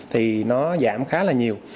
thì nó giảm khá là nhiều